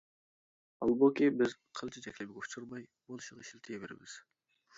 ھالبۇكى، بىز قىلچە چەكلىمىگە ئۇچرىماي، بولۇشىغا ئىشلىتىۋېرىمىز.